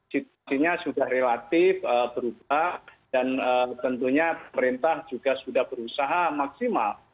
situasinya sudah relatif berubah dan tentunya pemerintah juga sudah berusaha maksimal